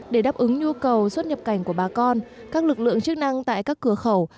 để đáp ứng nhu cầu xuất nhập cảnh của bà con các lực lượng chức năng tại các cửa khẩu